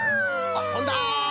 あっとんだ！